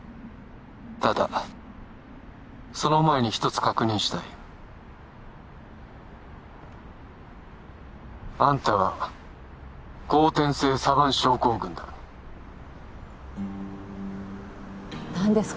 ただその前に一つ確認したいあんたは後天性サヴァン症候群だ何ですか？